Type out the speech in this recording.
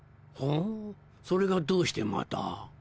ほうそれがどうしてまた。